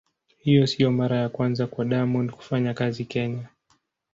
Hii sio mara ya kwanza kwa Diamond kufanya kazi Kenya.